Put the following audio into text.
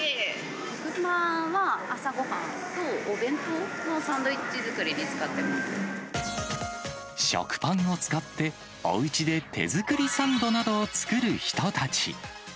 食パンは朝ごはんとお弁当の食パンを使って、おうちで手作りサンドなどを作る人たち。